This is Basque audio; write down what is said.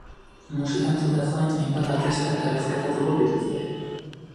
Musika entzuteaz gain, hainbat artista elkarrizketatuko dituzte.